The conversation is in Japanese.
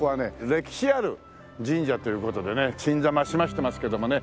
歴史ある神社という事でね鎮座ましましてますけどもね